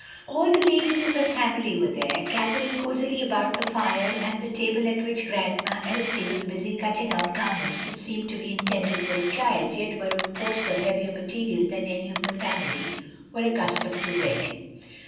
All the ladies of the family were there, gathered cosily about the fire and the table at which Grandma Elsie was busily cutting out garments that seemed to be intended for a child, yet were of coarser, heavier material than any of the family were accustomed to wearing.